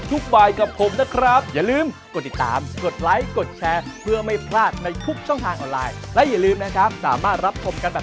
สวัสดีครับ